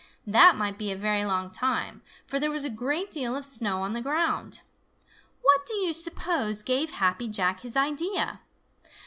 That might be a very long time, for there was a great deal of snow on the ground. What do you suppose gave Happy Jack his idea?